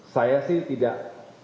saya sih tidak